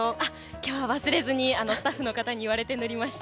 今日はスタッフの方に言われて塗りました。